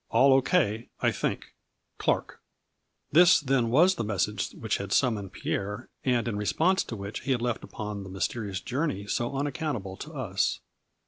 N All O. K., I think. 4 Clark. This then was the message which had sum moned Pierre, and in response to which he had 184 A FLURRY IF DIAMONDS. left upon the mysterious journey so unaccount able to us.